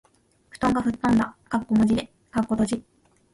布団が吹っ飛んだ。（まじで）